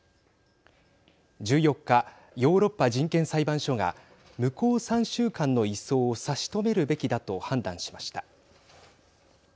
１４日、ヨーロッパ人権裁判所が向こう３週間の移送を差し止めるべきだと判断しました。